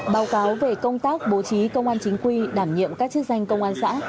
báo cáo về công tác bố trí công an chính quy đảm nhiệm các chức danh công an xã